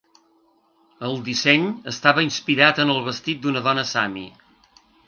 El disseny estava inspirat en el vestit d'una dona sami.